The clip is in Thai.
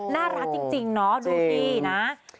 น่ารักจริงดูดีนะ